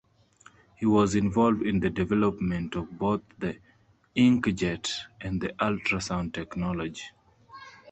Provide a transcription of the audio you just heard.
He was involved in the development of both the inkjet and the ultrasound technology.